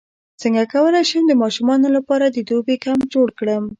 څنګه کولی شم د ماشومانو لپاره د دوبي کمپ جوړ کړم